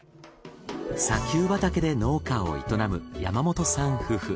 砂丘畑で農家を営む山本さん夫婦。